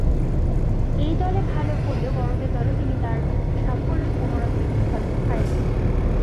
এ দলে ভালো করলেও বড়দের দলে তিনি তার সাফল্যের পুণরাবৃত্তি ঘটাতে পারেননি।